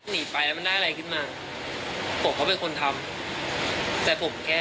หนีไปแล้วมันได้อะไรขึ้นมาผมก็เป็นคนทำแต่ผมแค่